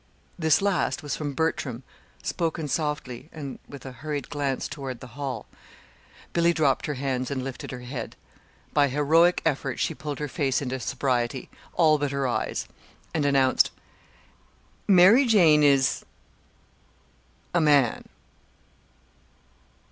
This last was from Bertram, spoken softly, and with a hurried glance toward the hall. Billy dropped her hands and lifted her head. By heroic effort she pulled her face into sobriety all but her eyes and announced: "Mary Jane is a man."